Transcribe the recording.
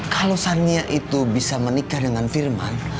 kalau sangia itu bisa menikah dengan firman